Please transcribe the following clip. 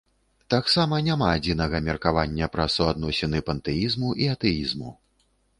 Таксама няма адзінага меркавання пра суадносіны пантэізму і атэізму.